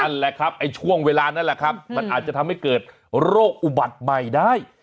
นั่นแหละครับไอ้ช่วงเวลานั้นแหละครับมันอาจจะทำให้เกิดโรคอุบัติใหม่ได้